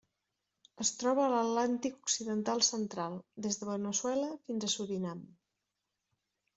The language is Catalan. Es troba a l'Atlàntic occidental central: des de Veneçuela fins a Surinam.